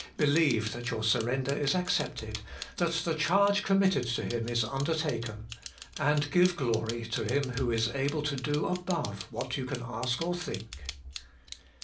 Believe that your surrender is accepted : that the charge committed to Him is undertaken. And give glory to Him who is able to do above what you can ask or think.